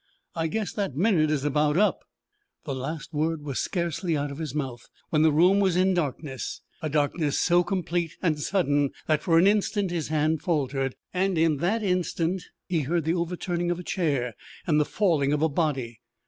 I guess that minute is about up." The last word was scarcely out of his mouth when the room was in darkness a darkness so complete and sudden that for an instant his hand faltered, and in that instant he heard the overturning of a chair and the falling of a body.